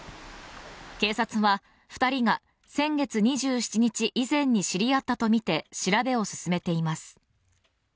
警察は、２人が先月２７日以前に知り合ったとみて調べを進めています。